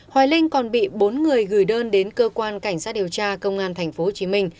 hoài linh còn bị bốn người gửi đơn đến cơ quan cảnh sát điều tra công an tp hcm